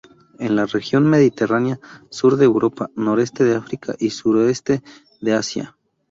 En la región mediterránea, sur de Europa, noroeste de África y suroeste de Asia.